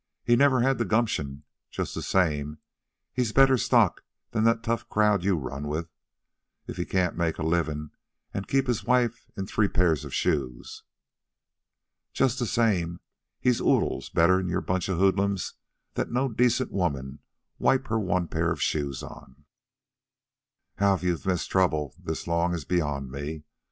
He never had the gumption. Just the same, he's better stock than that tough crowd you run with, if he can't make a livin' an' keep his wife in three pairs of shoes. Just the same he's oodles better'n your bunch of hoodlums that no decent woman'd wipe her one pair of shoes on. How you've missed trouble this long is beyond me.